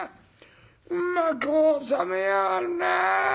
うまく収めやがるなあ。